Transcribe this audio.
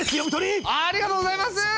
ありがとうございます！